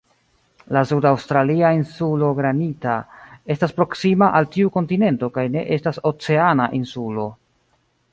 La sud-aŭstralia Insulo Granita estas proksima al tiu kontinento kaj ne estas "oceana" insulo.